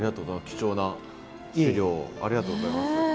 貴重な資料をありがとうございます。